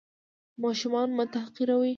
ماشومان مه تحقیروئ.